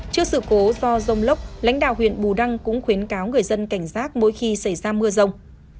trước sự cố do rông lốc lãnh đạo huyện bù đăng cũng khuyến cáo người dân cảnh giác mỗi khi xảy ra mưa rông